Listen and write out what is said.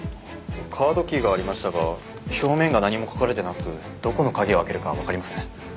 カードキーがありましたが表面が何も書かれてなくどこの鍵を開けるかはわかりません。